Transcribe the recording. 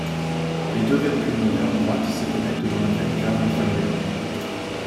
Les deux veines pulmonaires droites se connectent dans la veine cave inférieure.